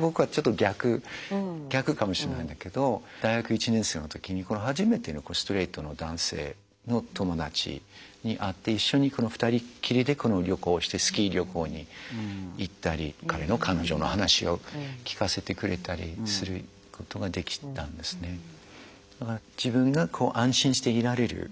僕はちょっと逆逆かもしれないんだけど大学１年生の時に初めてストレートの男性の友達に会って一緒に２人っきりで旅行してスキー旅行に行ったり彼の彼女の話を聞かせてくれたりすることができたんですね。というふうに今も思いますし。